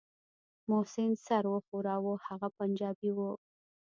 محسن سر وښوراوه هغه پنجابى و.